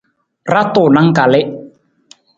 Ra tunang kalii.